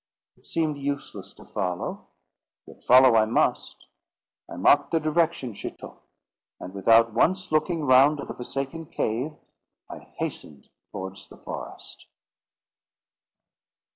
It seemed useless to follow, yet follow I must. I marked the direction she took; and without once looking round to the forsaken cave, I hastened towards the forest.